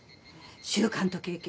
習慣と経験。